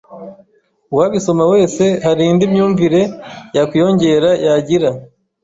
uwabisoma wese hari indi myunvire yakwiyongera yagira